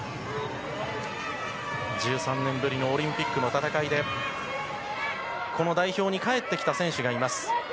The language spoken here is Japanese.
１３年ぶりのオリンピックの戦いでこの代表に帰ってきた選手がいます。